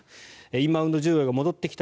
インバウンド需要が戻ってきた